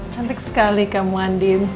cantik sekali kamu andi